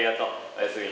おやすみ！